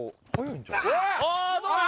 あぁどうだ？